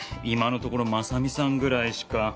今のところ真実さんぐらいしか。